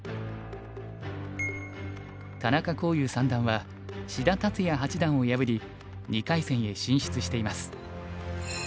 田中康湧三段は志田達哉八段を破り２回戦へ進出しています。